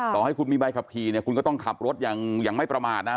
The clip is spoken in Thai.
ต่อให้คุณมีใบขับขี่เนี่ยคุณก็ต้องขับรถอย่างไม่ประมาทนะ